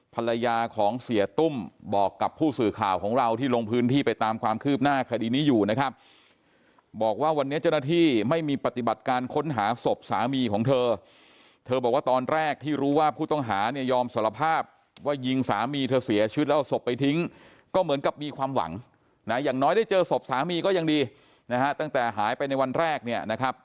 ภรรยาของเสียตุ้มบอกกับผู้สื่อข่าวของเราที่ลงพื้นที่ไปตามความคืบหน้าคดีนี้อยู่นะครับบอกว่าวันนี้เจ้าหน้าที่ไม่มีปฏิบัติการค้นหาศพสามีของเธอเธอบอกว่าตอนแรกที่รู้ว่าผู้ต้องหาเนี่ยยอมสารภาพว่ายิงสามีเธอเสียชีวิตแล้วเอาศพไปทิ้งก็เหมือนกับมีความหวังนะอย่างน้อยได้เจอศพสามีก็ยังดีนะฮะตั้งแต่หายไปในวันแรกเนี่ยนะครับ